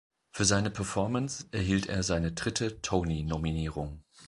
Für seine Performance erhielt er seine dritte Tony-Nominierung.